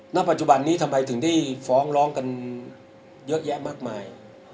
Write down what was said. ณปัจจุบันนี้ทำไมถึงได้ฟ้องร้องกันเยอะแยะมากมาย